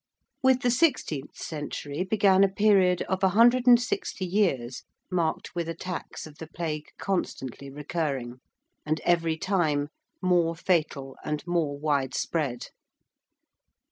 With the sixteenth century began a period of a hundred and sixty years, marked with attacks of the Plague constantly recurring, and every time more fatal and more widespread.